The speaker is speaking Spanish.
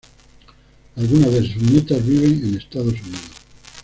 Algunas de sus nietas viven en Estados Unidos.